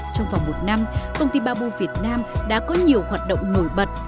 trong vòng một năm công ty baboo việt nam đã có nhiều hoạt động nổi bật